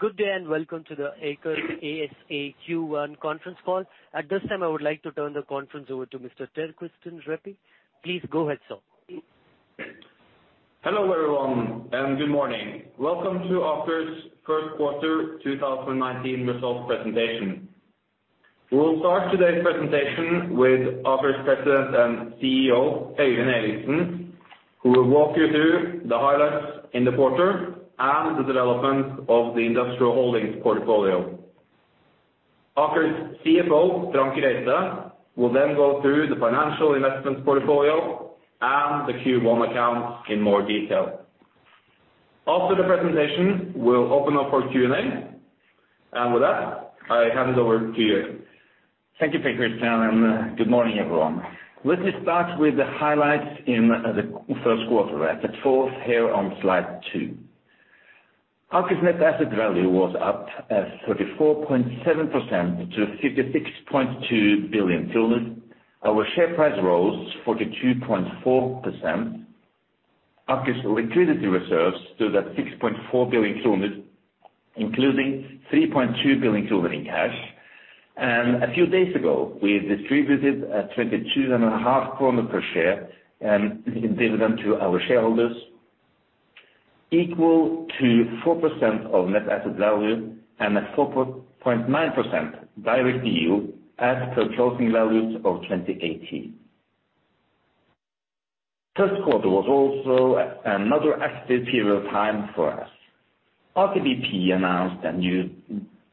Good day. Welcome to the Aker ASA Q1 conference call. At this time, I would like to turn the conference over to Mr. Per Kristian Røkke. Please go ahead, sir. Hello, everyone. Good morning. Welcome to Aker's first quarter 2019 results presentation. We'll start today's presentation with Aker's President and CEO, Øyvind Eriksen, who will walk you through the highlights in the quarter and the development of the Industrial Holdings portfolio. Aker's CFO, Frank Reite, will then go through the financial investments portfolio and the Q1 accounts in more detail. After the presentation, we'll open up for Q&A. With that, I hand it over to you. Thank you, Per Kristian. Good morning, everyone. Let me start with the highlights in the first quarter. At fourth, here on slide two. Aker's net asset value was up 34.7% to 56.2 billion. Our share price rose 42.4%. Aker's liquidity reserves stood at 6.4 billion, including 3.2 billion in cash. A few days ago, we distributed 22.5 kroner per share in dividend to our shareholders, equal to 4% of net asset value and a 4.9% direct view as per closing values of 2018. First quarter was also another active period of time for us. Aker BP announced a new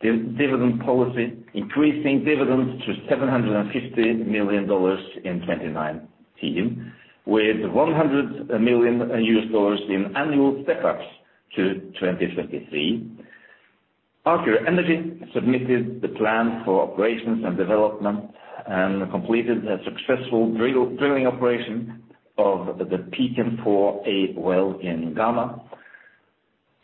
dividend policy, increasing dividends to $750 million in 2019, with $100 million in annual step-ups to 2023. Aker Energy submitted the plan for operations and development and completed a successful drilling operation of the Pecan-4A well in Ghana.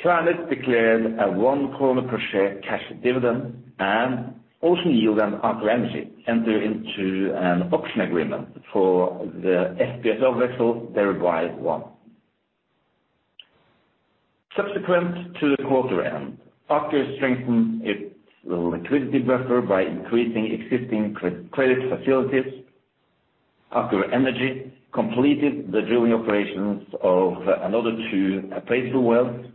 Klarna declared a one NOK per share cash dividend. Ocean Yield and Aker Energy entered into an option agreement for the FPSO vessel, Dhirubhai-1. Subsequent to the quarter end, Aker strengthened its liquidity buffer by increasing existing credit facilities. Aker Energy completed the drilling operations of another two appraisal wells.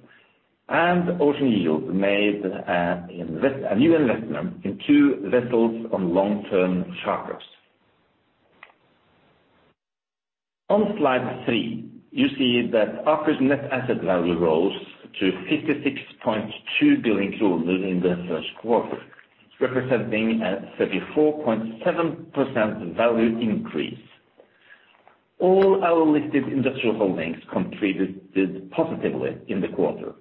Ocean Yield made a new investment in two vessels on long-term charters. On slide three, you see that Aker's net asset value rose to 56.2 billion in the first quarter, representing a 34.7% value increase. All our listed industrial holdings contributed positively in the quarter,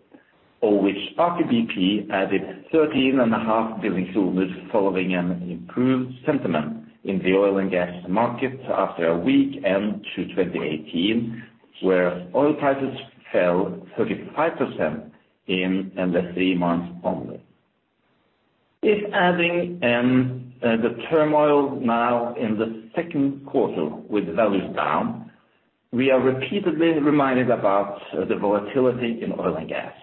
of which Aker BP added 13.5 billion following an improved sentiment in the oil and gas market after a weak end to 2018, where oil prices fell 35% in the three months only. If adding in the turmoil now in the second quarter with values down, we are repeatedly reminded about the volatility in oil and gas.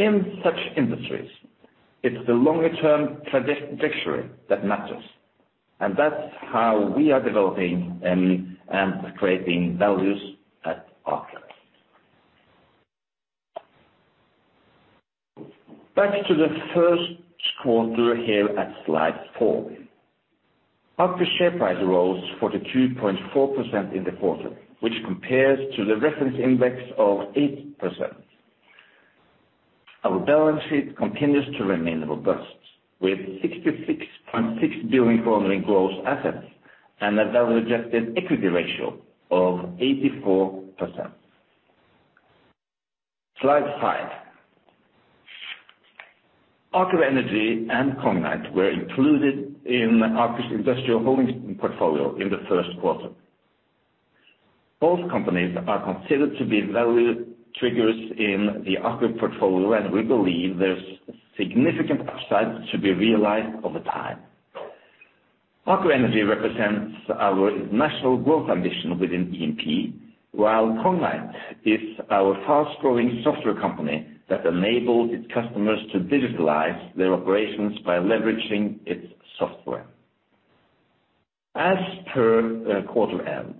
In such industries, it's the longer-term trajectory that matters, and that's how we are developing and creating values at Aker. Back to the first quarter here at slide four. Aker's share price rose 42.4% in the quarter, which compares to the reference index of 8%. Our balance sheet continues to remain robust, with 66.6 billion in gross assets and a value-adjusted equity ratio of 84%. Slide five. Aker Energy and Cognite were included in Aker's industrial holdings portfolio in the first quarter. Both companies are considered to be value triggers in the Aker portfolio, and we believe there's significant upside to be realized over time. Aker Energy represents our national growth ambition within E&P, while Cognite is our fast-growing software company that enables its customers to digitalize their operations by leveraging its software. As per quarter end,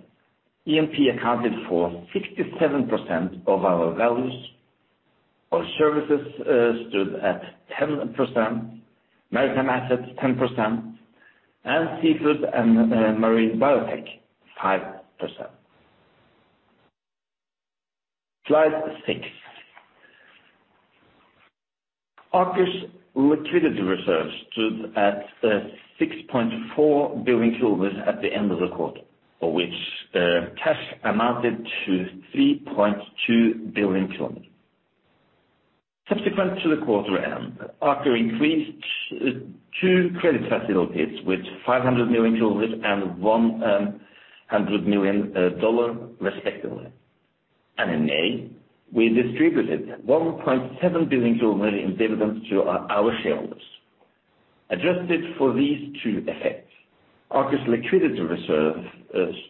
E&P accounted for 67% of our values. Our services stood at 10%, maritime assets 10%, and seafood and marine biotech 5%. Slide six. Aker's liquidity reserves stood at 6.4 billion at the end of the quarter, of which cash amounted to 3.2 billion. Subsequent to the quarter end, Aker increased two credit facilities with 500 million and $100 million respectively. In May, we distributed 1.7 billion in dividends to our shareholders. Adjusted for these two effects, Aker's liquidity reserve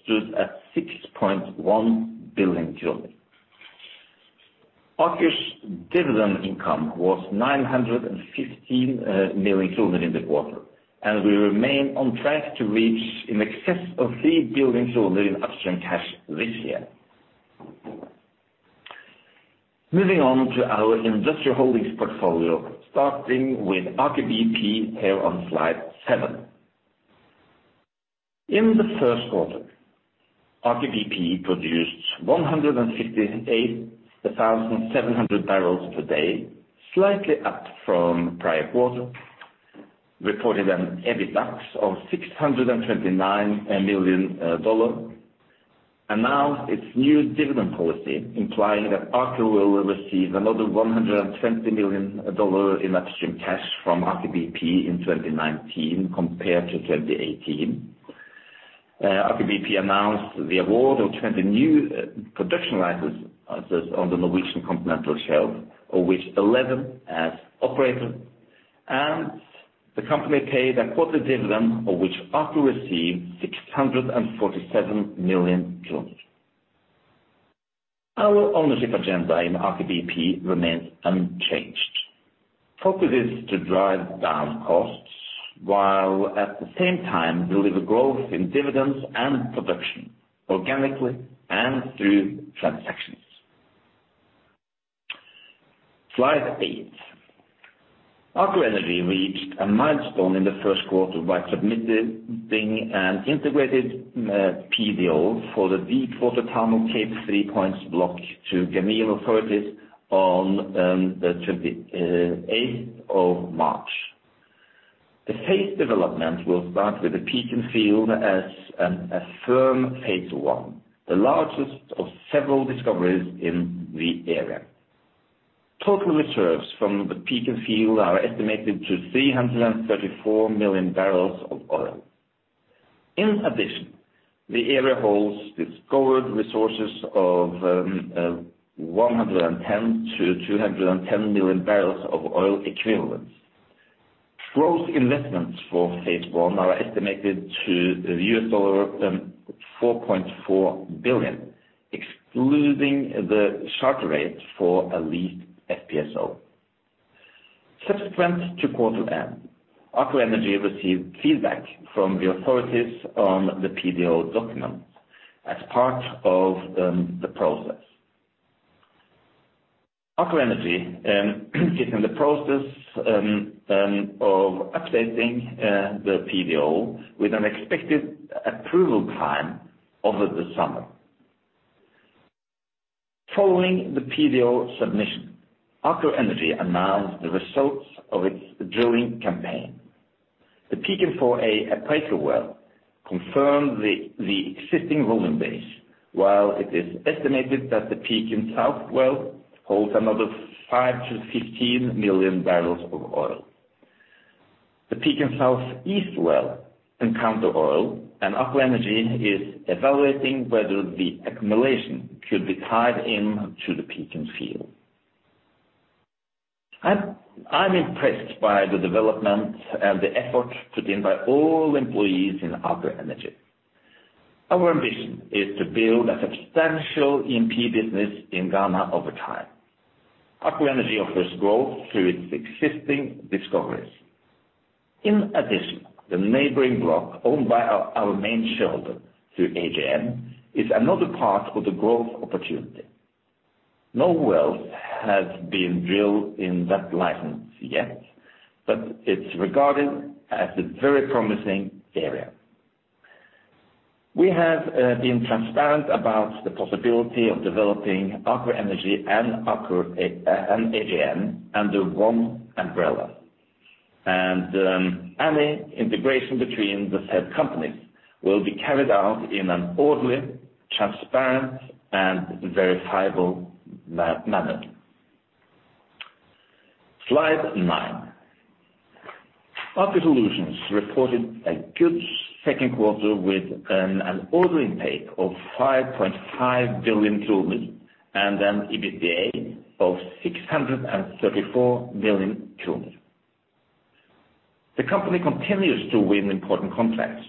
stood at 6.1 billion. Aker's dividend income was 915 million in the quarter, and we remain on track to reach in excess of 3 billion in upstream cash this year. Moving on to our industrial holdings portfolio, starting with Aker BP, here on slide seven. In the first quarter, Aker BP produced 158,700 barrels per day, slightly up from the prior quarter, reporting an EBITDA of $629 million, and now its new dividend policy, implying that Aker will receive another $120 million in upstream cash from Aker BP in 2019 compared to 2018. Aker BP announced the award of 20 new production licenses on the Norwegian continental shelf, of which 11 as operator, the company paid a quarter dividend, of which Aker received 647 million. Our ownership agenda in Aker BP remains unchanged. Focus is to drive down costs while at the same time deliver growth in dividends and production, organically and through transactions. Slide eight. Aker Energy reached a milestone in the first quarter by submitting an integrated PDO for the Deepwater Tano Cape Three Points block to Ghanaian authorities on the 28th of March. The phase development will start with the Pecan field as a firm phase one, the largest of several discoveries in the area. Total reserves from the Pecan field are estimated to 334 million barrels of oil. In addition, the area holds discovered resources of 110 to 210 million barrels of oil equivalents. Gross investments for phase one are estimated to $4.4 billion, excluding the charter rate for a leased FPSO. Subsequent to quarter end, Aker Energy received feedback from the authorities on the PDO documents as part of the process. Aker Energy is in the process of updating the PDO with an expected approval time over the summer. Following the PDO submission, Aker Energy announced the results of its drilling campaign. The Pecan-4A appraisal well confirmed the existing volume base, while it is estimated that the Pecan South well holds another five to 15 million barrels of oil. The Pecan Southeast well encountered oil, and Aker Energy is evaluating whether the accumulation could be tied in to the Pecan field. I am impressed by the development and the effort put in by all employees in Aker Energy. Our ambition is to build a substantial E&P business in Ghana over time. Aker Energy offers growth through its existing discoveries. In addition, the neighboring block owned by our main shareholder through AGN is another part of the growth opportunity. No wells have been drilled in that license yet, but it is regarded as a very promising area. We have been transparent about the possibility of developing Aker Energy and AGN under one umbrella. Any integration between the said companies will be carried out in an orderly, transparent, and verifiable manner. Slide 9. Aker Solutions reported a good second quarter with an order intake of 5.5 billion and an EBITDA of 634 million. The company continues to win important contracts.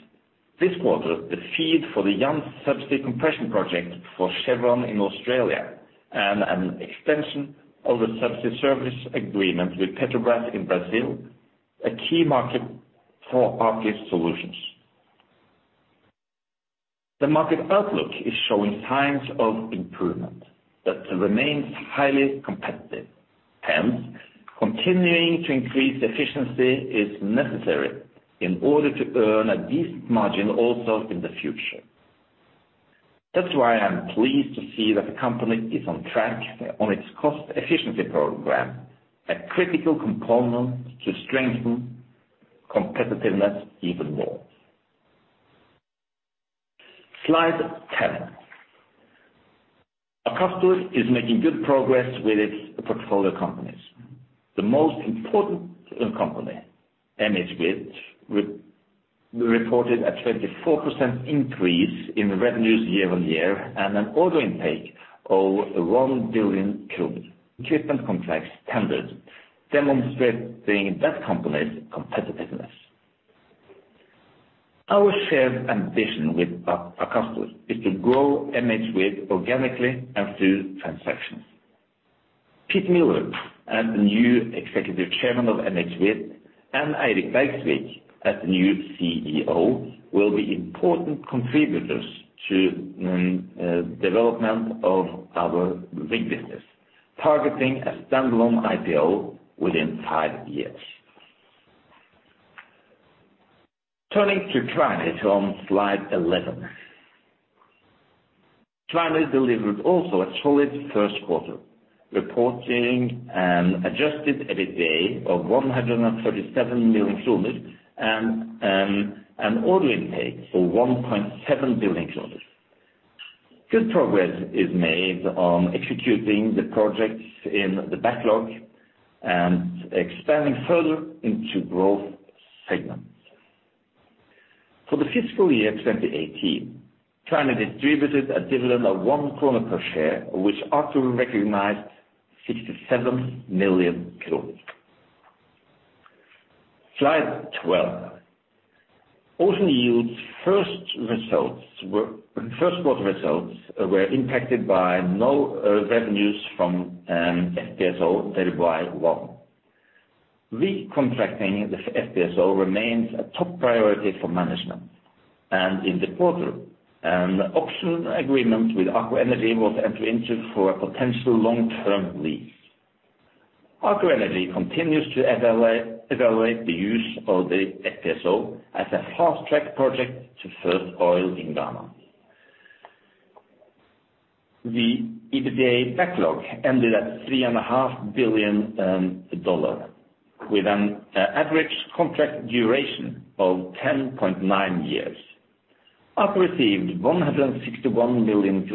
This quarter, the FEED for the Jansz-Io Subsea compression project for Chevron in Australia and an extension of the Subsea service agreement with Petrobras in Brazil, a key market for Aker Solutions. The market outlook is showing signs of improvement that remains highly competitive. Continuing to increase efficiency is necessary in order to earn a decent margin also in the future. That is why I am pleased to see that the company is on track on its cost-efficiency program, a critical component to strengthen competitiveness even more. Slide 10. Aker is making good progress with its portfolio companies. The most important company, MHWirth. We reported a 24% increase in revenues year-on-year and an order intake of 1 billion. Equipment contracts tendered, demonstrating that company's competitiveness. Our shared ambition with Akastor is to grow MHWirth organically and through transactions. Pete Miller, as the new Executive Chairman of MHWirth, and Eirik Bergsvik as the new CEO, will be important contributors to development of our rig business, targeting a standalone IPO within five years. Turning to Transocean on Slide 11. Transocean delivered also a solid first quarter, reporting an adjusted EBITDA of 137 million and an order intake of 1.7 billion. Good progress is made on executing the projects in the backlog and expanding further into growth segments. For the fiscal year 2018, Transocean distributed a dividend of 1 kroner per share, which Aker recognized 67 million kroner. Slide 12. Ocean Yield's first quarter results were impacted by no revenues from FPSO Dhirubhai-1. Recontracting the FPSO remains a top priority for management. In the quarter, an optional agreement with Aker Energy was entered into for a potential long-term lease. Aker Energy continues to evaluate the use of the FPSO as a fast-track project to first oil in Ghana. The EBITDA backlog ended at $3.5 billion, with an average contract duration of 10.9 years. Aker received 161 million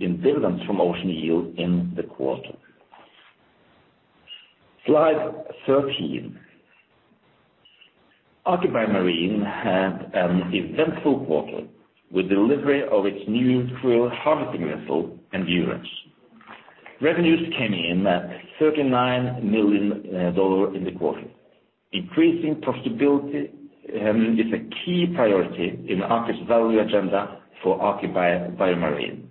in dividends from Ocean Yield in the quarter. Slide 13. Aker BioMarine had an eventful quarter with delivery of its new krill harvesting vessel, Antarctic Endurance. Revenues came in at NOK 39 million in the quarter. Increasing profitability is a key priority in Aker's value agenda for Aker BioMarine.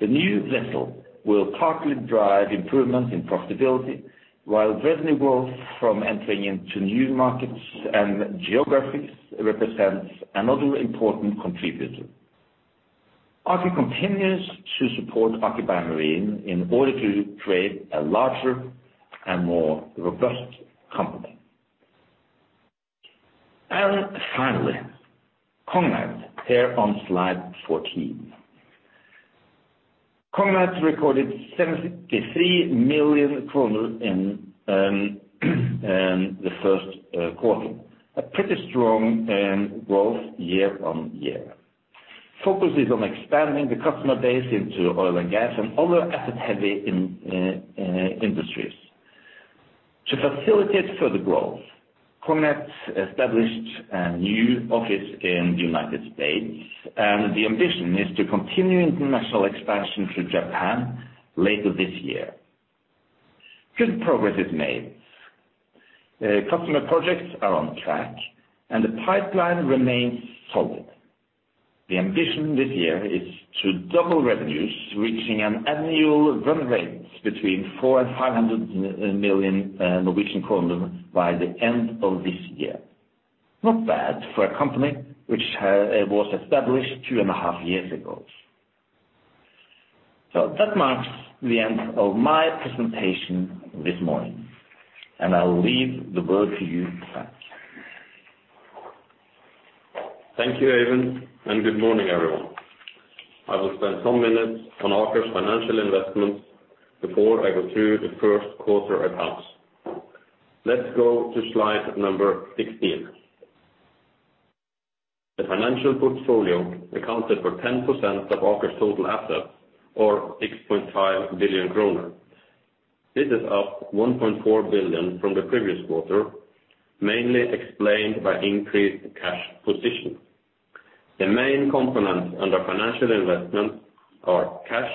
The new vessel will partly drive improvement in profitability, while revenue growth from entering into new markets and geographies represents another important contributor. Aker continues to support Aker BioMarine in order to create a larger and more robust company. Finally, Cognite, here on Slide 14. Cognite recorded NOK 73 million in the first quarter, a pretty strong growth year-on-year. Focus is on expanding the customer base into oil and gas and other asset-heavy industries. To facilitate further growth, Cognite established a new office in the U.S., and the ambition is to continue international expansion to Japan later this year. Good progress is made. Customer projects are on track, and the pipeline remains solid. The ambition this year is to double revenues, reaching an annual run rate between 400 million and 500 million Norwegian kroner by the end of this year. Not bad for a company which was established two and a half years ago. That marks the end of my presentation this morning, and I'll leave the word to you, Frank. Thank you, Even, good morning, everyone. I will spend some minutes on Aker's financial investments before I go through the first quarter accounts. Let's go to Slide number 16. The financial portfolio accounted for 10% of Aker's total assets, or 6.5 billion kroner. This is up 1.4 billion from the previous quarter, mainly explained by increased cash position. The main components under financial investment are cash,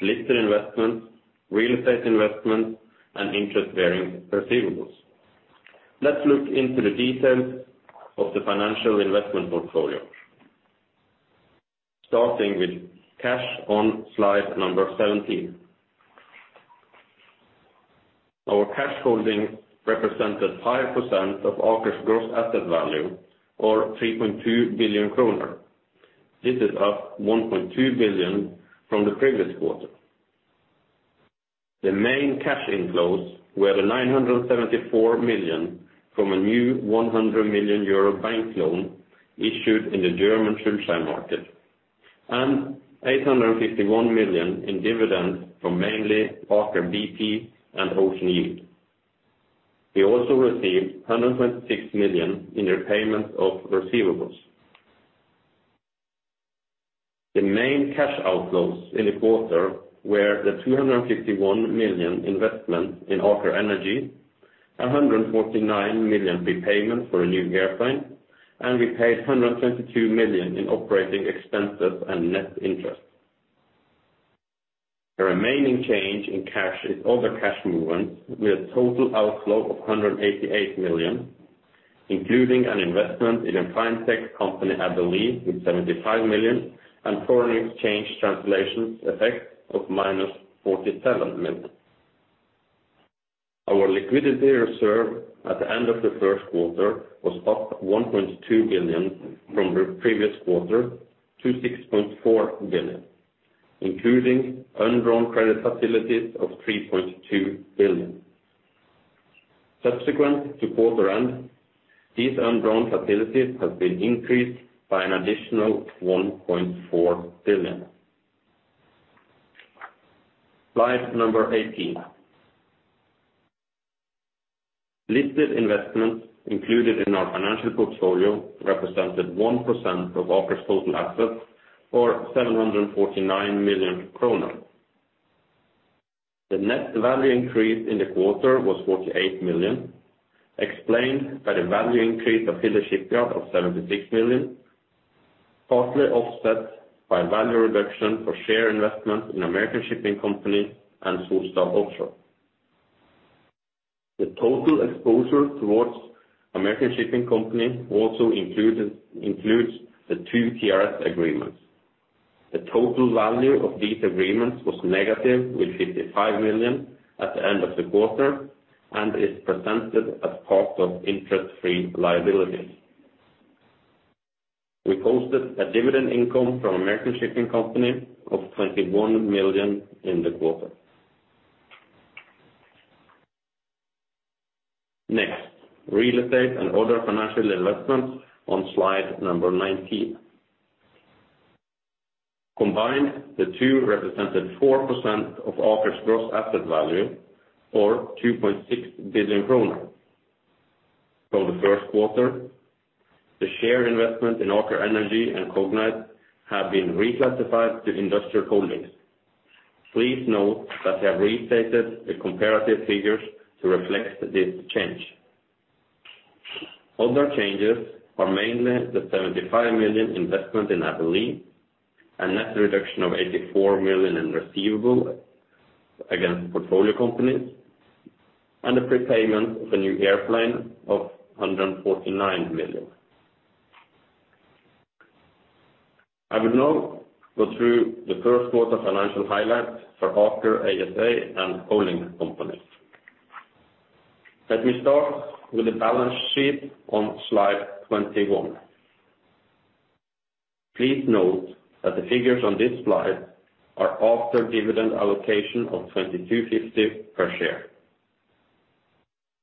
listed investments, real estate investments, and interest-bearing receivables. Let's look into the details of the financial investment portfolio. Starting with cash on Slide number 17. Our cash holding represented 5% of Aker's gross asset value, or 3.2 billion kroner. This is up 1.2 billion from the previous quarter. The main cash inflows were 974 million from a new 100 million euro bank loan issued in the German Schuldschein market, and 851 million in dividends from mainly Aker BP and Ocean Yield. We also received 126 million in repayment of receivables. The main cash outflows in the quarter were the 251 million investment in Aker Energy, 149 million prepayment for a new airplane, and we paid 122 million in operating expenses and net interest. The remaining change in cash is other cash movements with a total outflow of 188 million, including an investment in a fintech company, Aize, with 75 million and foreign exchange translations effect of -47 million. Our liquidity reserve at the end of the first quarter was up 1.2 billion from the previous quarter to 6.4 billion, including undrawn credit facilities of 3.2 billion. Subsequent to quarter end, these undrawn facilities have been increased by an additional 1.4 billion. Slide number 18. Listed investments included in our financial portfolio represented 1% of Aker's total assets, or 749 million kroner. The net value increase in the quarter was 48 million, explained by the value increase of Philly Shipyard of 76 million, partly offset by value reduction for share investment in American Shipping Company and Solstad Offshore. The total exposure towards American Shipping Company also includes the two TRS agreements. The total value of these agreements was negative with 55 million at the end of the quarter, and is presented as part of interest-free liabilities. We posted a dividend income from American Shipping Company of 21 million in the quarter. Next, real estate and other financial investments on slide number 19. Combined, the two represented 4% of Aker's gross asset value or 2.6 billion kroner. From the first quarter, the share investment in Aker Energy and Cognite have been reclassified to industrial holdings. Please note that we have restated the comparative figures to reflect this change. Other changes are mainly the 75 million investment in Aize, a net reduction of 84 million in receivable against portfolio companies, and the prepayment of a new airplane of 149 million. I will now go through the first quarter financial highlights for Aker ASA and holding companies. Let me start with the balance sheet on slide 21. Please note that the figures on this slide are after dividend allocation of 22.50 per share.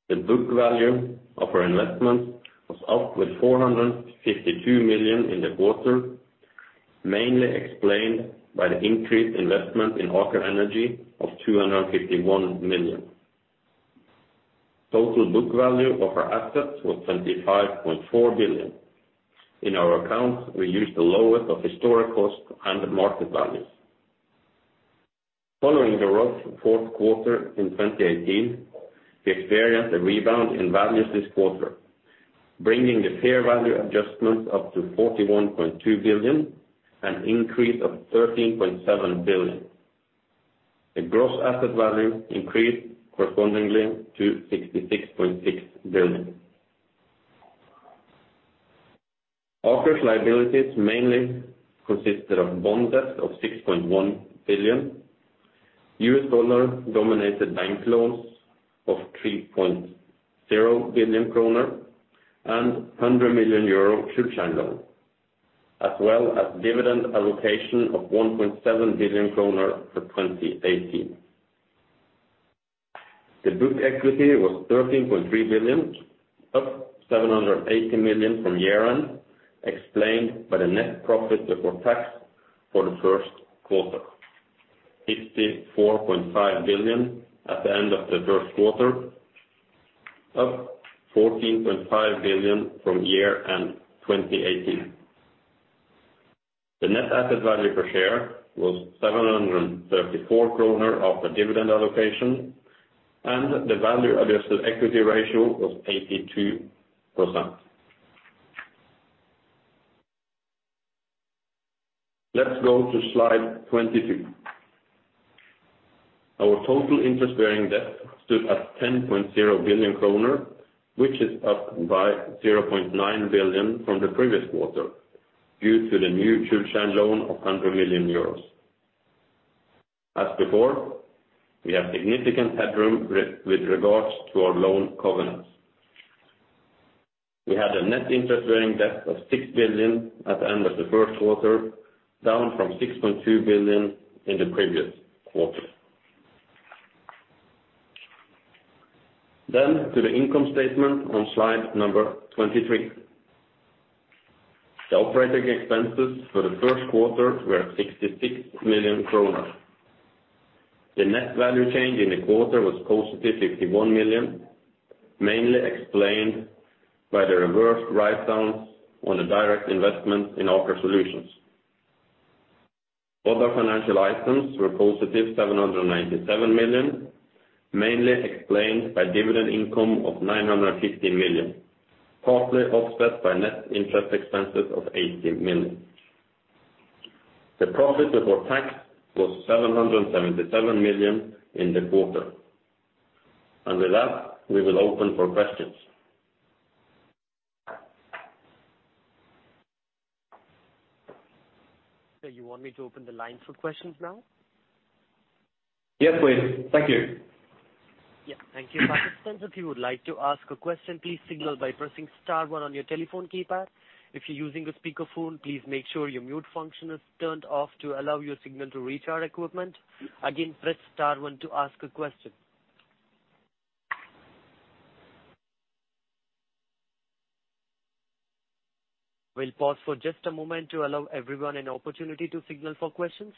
The book value of our investments was up with 452 million in the quarter, mainly explained by the increased investment in Aker Energy of 251 million. Total book value of our assets was 25.4 billion. In our accounts, we use the lowest of historic cost and market values. Following the rough fourth quarter in 2018, we experienced a rebound in values this quarter, bringing the fair value adjustments up to 41.2 billion, an increase of 13.7 billion. The gross asset value increased correspondingly to 66.6 billion. Aker's liabilities mainly consisted of bond debt of 6.1 billion, $3.0 billion US dollar-dominated bank loans, and 100 million euro Schuldschein loan, as well as dividend allocation of 1.7 billion kroner for 2018. The book equity was 13.3 billion, up 780 million from year-end, explained by the net profit before tax for the first quarter, 54.5 billion at the end of the first quarter, up 14.5 billion from year-end 2018. The net asset value per share was 734 kroner of the dividend allocation, and the value-adjusted equity ratio was 82%. Let's go to slide 22. Our total interest-bearing debt stood at 10.0 billion kroner, which is up by 0.9 billion from the previous quarter due to the new Schuldschein loan of 100 million euros. As before, we have significant headroom with regards to our loan covenants. We had a net interest-bearing debt of 6 billion at the end of the first quarter, down from 6.2 billion in the previous quarter. To the income statement on slide number 23. The operating expenses for the first quarter were 66 million kroner. The net value change in the quarter was positive 51 million, mainly explained by the reversed write-downs on the direct investment in Aker Solutions. Other financial items were positive 797 million, mainly explained by dividend income of 915 million, partly offset by net interest expenses of 80 million. The profit before tax was 777 million in the quarter. With that, we will open for questions. You want me to open the line for questions now? Yes, please. Thank you. Thank you. Participants, if you would like to ask a question, please signal by pressing star one on your telephone keypad. If you're using a speakerphone, please make sure your mute function is turned off to allow your signal to reach our equipment. Again, press star one to ask a question. We'll pause for just a moment to allow everyone an opportunity to signal for questions.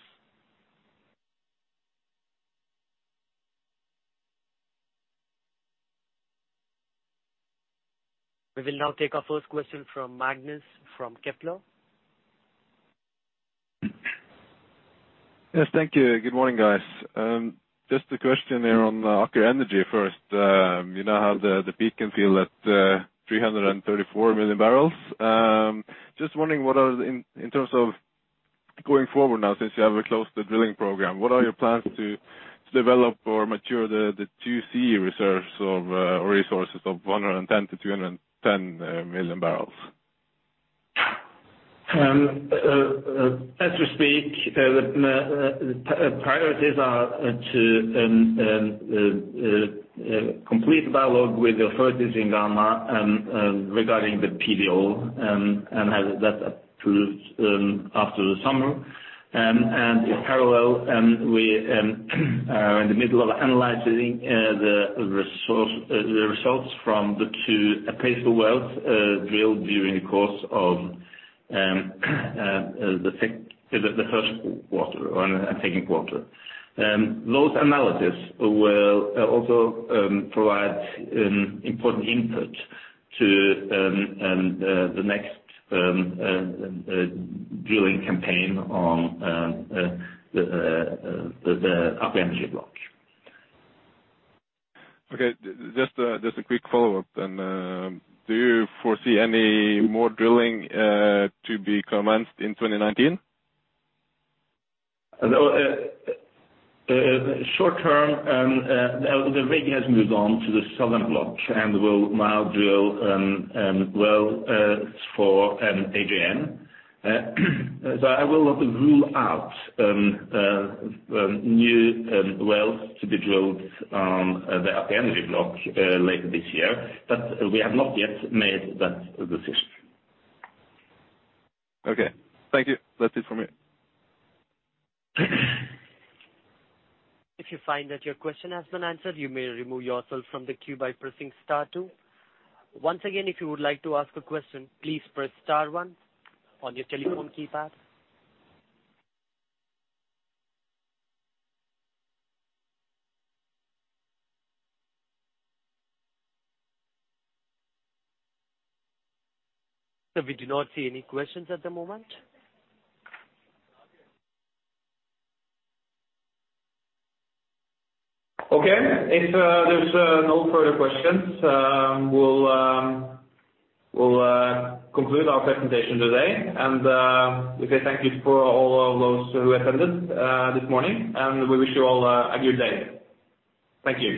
We will now take our first question from Magnus from Kepler. Yes, thank you. Good morning, guys. Just a question here on Aker Energy first. You now have the Pecan field at 334 million barrels. Just wondering, in terms of going forward now since you have closed the drilling program, what are your plans to develop or mature the 2C reserves or resources of 110 million-310 million barrels? As we speak, the priorities are to complete dialogue with the authorities in Ghana regarding the PDO, and have that approved after the summer. In parallel, we are in the middle of analyzing the results from the two appraisal wells drilled during the course of the first quarter, on a second quarter. Those analyses will also provide important input to the next drilling campaign on the Aker Energy block. Okay. Just a quick follow-up then. Do you foresee any more drilling to be commenced in 2019? Short term, the rig has moved on to the Southern Block and will now drill wells for AGM. I will not rule out new wells to be drilled on the Aker Energy block later this year, but we have not yet made that decision. Okay. Thank you. That's it from me. If you find that your question has been answered, you may remove yourself from the queue by pressing star two. Once again, if you would like to ask a question, please press star one on your telephone keypad. We do not see any questions at the moment. Okay. If there's no further questions, we'll conclude our presentation today. We say thank you for all of those who attended this morning, and we wish you all a good day. Thank you.